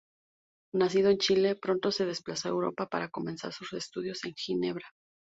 Nacido en Chile, pronto se desplazó a Europa para comenzar sus estudios en Ginebra.